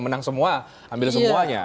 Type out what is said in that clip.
menang semua ambil semuanya